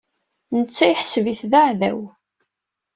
Netta yeḥseb-it d aɛdaw.